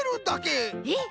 えっ？